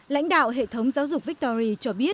lãnh đạo hệ thống giáo dục victory cho biết